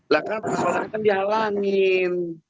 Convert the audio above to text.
lah kan persoalannya kan dihalangin